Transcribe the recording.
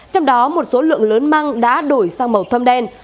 trong đó một số lượng lớn măng đã đổi sang màu thâm đen